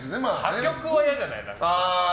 破局は嫌じゃない？